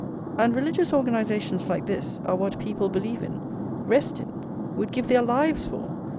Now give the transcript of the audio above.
And religious organisations like this are what people believe in, rest in, would give their lives for!